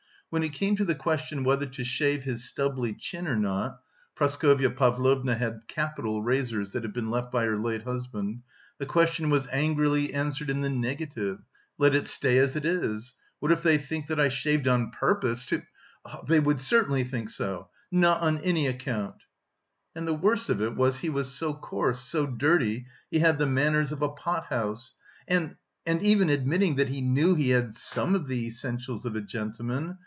When it came to the question whether to shave his stubbly chin or not (Praskovya Pavlovna had capital razors that had been left by her late husband), the question was angrily answered in the negative. "Let it stay as it is! What if they think that I shaved on purpose to...? They certainly would think so! Not on any account!" "And... the worst of it was he was so coarse, so dirty, he had the manners of a pothouse; and... and even admitting that he knew he had some of the essentials of a gentleman...